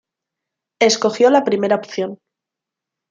Escogió la primera opción.